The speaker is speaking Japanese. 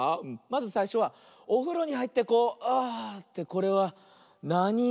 まずさいしょはおふろにはいってこうあってこれはなに「い」？